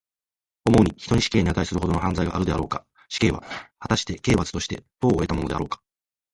思うに、人に死刑にあたいするほどの犯罪があるであろうか。死刑は、はたして刑罰として当をえたものであろうか。